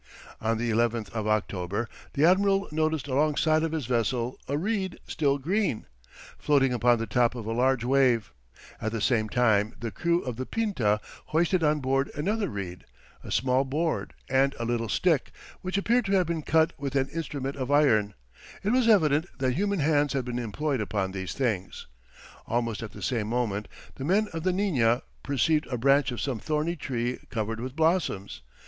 On the 11th of October, the admiral noticed alongside of his vessel, a reed still green, floating upon the top of a large wave: at the same time the crew of the Pinta hoisted on board another reed, a small board, and a little stick, which appeared to have been cut with an instrument of iron; it was evident that human hands had been employed upon these things. Almost at the same moment, the men of the Nina perceived a branch of some thorny tree covered with blossoms.